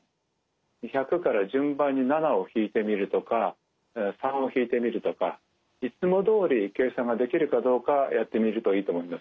１００から順番に７をひいてみるとか３をひいてみるとかいつもどおり計算ができるかどうかやってみるといいと思いますね。